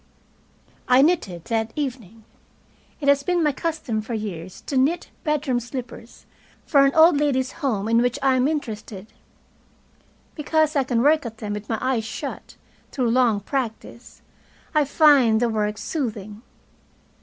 I knitted that evening. It has been my custom for years to knit bedroom slippers for an old ladies' home in which I am interested. Because I can work at them with my eyes shut, through long practise, I find the work soothing.